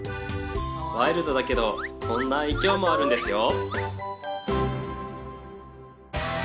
ワイルドだけどこんな愛きょうもあるんですよ